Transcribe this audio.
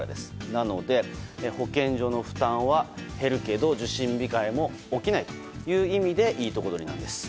なので、保健所の負担は減るけど受診控えも起きないという意味でいいとこ取りなんです。